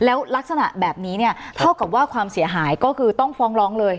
แล้วลักษณะแบบนี้เนี่ยเท่ากับว่าความเสียหายก็คือต้องฟ้องร้องเลย